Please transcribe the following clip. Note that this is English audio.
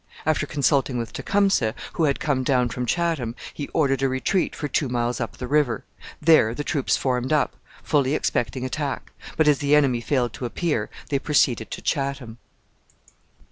After consulting with Tecumseh, who had come down from Chatham, he ordered a retreat for two miles up the river; there the troops formed up, fully expecting attack. But as the enemy failed to appear, they proceeded to Chatham.